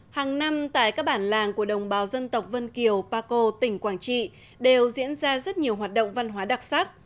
hàng năm tại các bản làng của đồng bào dân tộc vân kiều pa co tỉnh quảng trị đều diễn ra rất nhiều hoạt động văn hóa đặc sắc